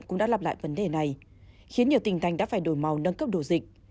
cũng đã lặp lại vấn đề này khiến nhiều tỉnh thành đã phải đổi màu nâng cấp đổ dịch